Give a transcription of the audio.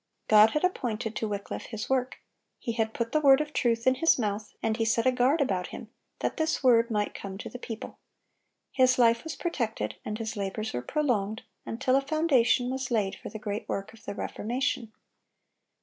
God had appointed to Wycliffe his work. He had put the word of truth in his mouth, and He set a guard about him that this word might come to the people. His life was protected, and his labors were prolonged, until a foundation was laid for the great work of the Reformation.